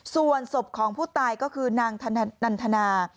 ส่วนศพของผู้ตายก็คือนางนันทนา